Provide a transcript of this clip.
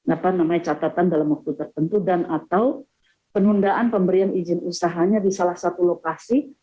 apa namanya catatan dalam waktu tertentu dan atau penundaan pemberian izin usahanya di salah satu lokasi